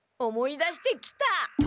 思い出してきた！